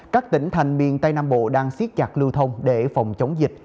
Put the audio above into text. các tỉnh thành miền tây nam bộ đang siết chặt lưu thông để phòng chống dịch